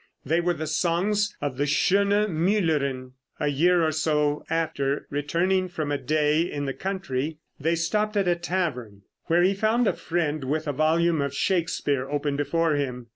They were the songs of the "Schöne Müllerin." A year or so after, returning from a day in the country, they stopped at a tavern, where he found a friend with a volume of Shakespeare open before him.